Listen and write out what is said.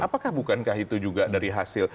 apakah bukankah itu juga dari hasil